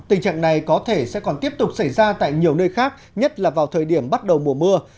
tình trạng này có thể sẽ còn tiếp tục xảy ra tại nhiều nơi khác nhất là vào thời điểm bắt đầu mùa mưa